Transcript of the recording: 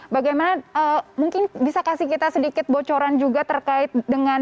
bagaimana mungkin bisa kasih kita sedikit bocoran juga terkait dengan